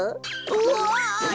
うわ！